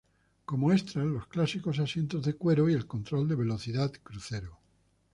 Como extras, los clásicos asientos de cuero y el control de velocidad crucero.